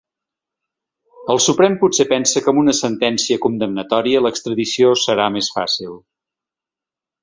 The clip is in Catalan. El Suprem potser pensa que amb una sentència condemnatòria l’extradició serà més fàcil.